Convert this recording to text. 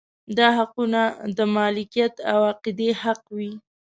دا حقونه د مالکیت او عقیدې حق وي.